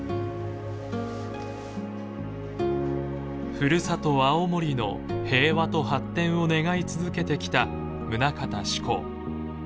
ふるさと青森の平和と発展を願い続けてきた棟方志功。